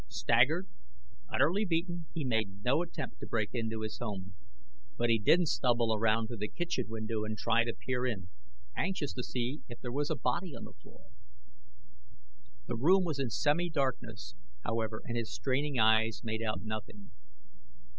Staggered, utterly beaten, he made no attempt to break into his home. But he did stumble around to the kitchen window and try to peer in, anxious to see if there was a body on the floor. The room was in semi darkness, however, and his straining eyes made out nothing.